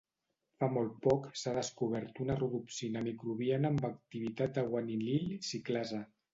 Fa molt poc, s'ha descobert una rodopsina microbiana amb activitat de guanilil ciclasa.